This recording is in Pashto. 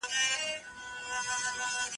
په افغانستان کې پېښې ډېرې په چټکۍ سره بدلیږي.